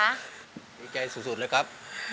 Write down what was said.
ดีใจสุดเลยครับ